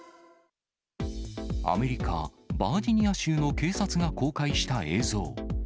アメリカ・バージニア州の警察が公開した映像。